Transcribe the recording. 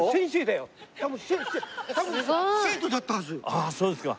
あっそうですか。